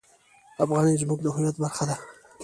افغانۍ زموږ د هویت برخه ده.